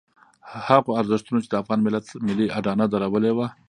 هغو ارزښتونو چې د افغان ملت ملي اډانه درولې وه.